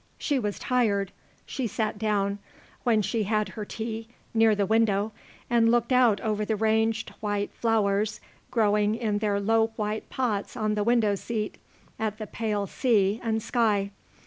She was tired. She sat down, when she had had her tea, near the window and looked out over the ranged white flowers growing in their low white pots on the window seat, at the pale sea and sky.